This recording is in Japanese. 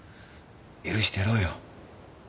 許してやろうよ。